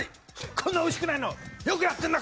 こんなおいしくないのよくやってるな！